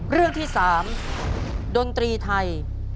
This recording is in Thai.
เรื่องที่๓ดนตรีไทย